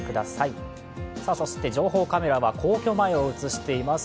情報カメラは皇居前を映しています。